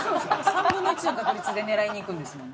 ３分の１の確率で狙いにいくんですもんね。